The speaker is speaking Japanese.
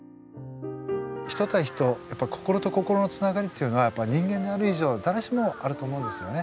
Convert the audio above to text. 人対人心と心のつながりっていうのはやっぱり人間である以上誰しもあると思うんですよね。